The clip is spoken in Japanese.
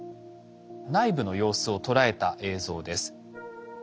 内部の様子を捉えた映像です。